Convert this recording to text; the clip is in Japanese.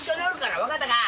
分かったか？